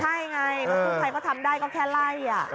ใช่ไงเพราะทุกใครก็ทำได้ก็แค่ไล่